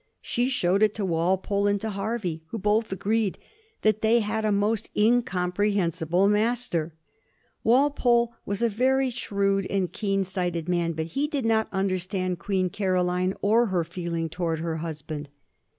She showed it to Walpole and to Hervey, who both agreed that they had a most incomprehensible master, Walpole was a very shrewd and keen sighted man, but he did not noderatand Qaeen Caroline or her feeling towards her husband.